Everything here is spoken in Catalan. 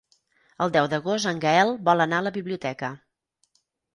El deu d'agost en Gaël vol anar a la biblioteca.